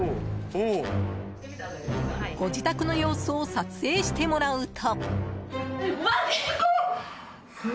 ご自宅の様子を撮影してもらうと。